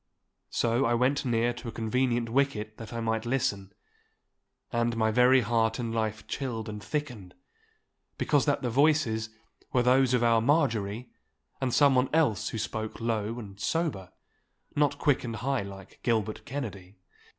So I went near to a convenient wicket that I might listen, and my very heart and life chilled and thickened, because that the voices were those of our Marjorie and someone else who spoke low and sober—not quick and high like Gilbert Kennedy.